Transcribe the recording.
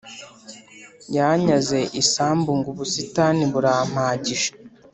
Yanyaze isambu ngo ubusitani burampagije